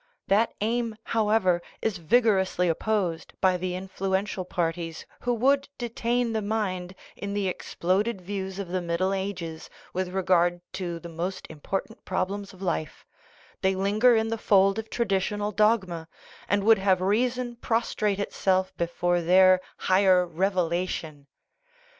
That aim, however, is vigorously opposed by the influential parties who would detain the mind in trie exploded views of the Middle Ages with re gard to the most important problems of life ; they linger in the fold of traditional dogma, and would have reason prostrate itself before their " higher revelation."